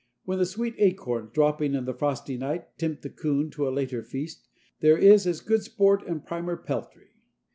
When the sweet acorns, dropping in the frosty night, tempt the coon to a later feast, there is as good sport and primer peltry.